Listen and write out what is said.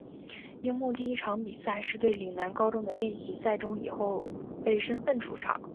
樱木第一场比赛是对陵南高中的练习赛中以后备身份出场。